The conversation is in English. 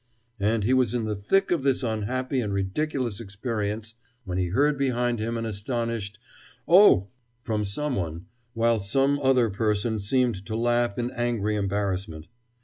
And he was in the thick of this unhappy and ridiculous experience when he heard behind him an astonished "Oh!" from someone, while some other person seemed to laugh in angry embarrassment.